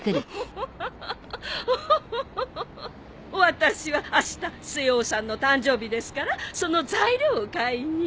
私はあした末男さんの誕生日ですからその材料を買いに。